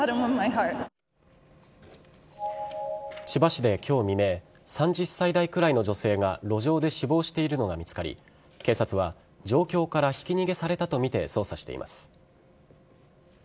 千葉市で今日未明３０歳代くらいの女性が路上で死亡しているのが見つかり警察は状況からひき逃げされたとみて捜査しています。